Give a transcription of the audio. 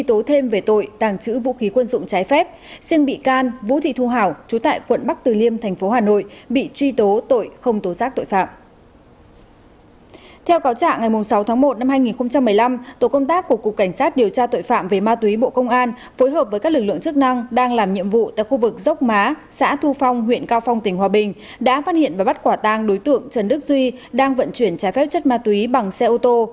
theo cáo trạng ngày sáu tháng một năm hai nghìn một mươi năm tổ công tác của cục cảnh sát điều tra tội phạm về ma túy bộ công an phối hợp với các lực lượng chức năng đang làm nhiệm vụ tại khu vực dốc má xã thu phong huyện cao phong tỉnh hòa bình đã phát hiện và bắt quả tang đối tượng trần đức duy đang vận chuyển trái phép chất ma túy bằng xe ô tô